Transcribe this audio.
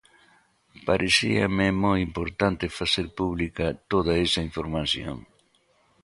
Parecíame moi importante facer pública toda esa información.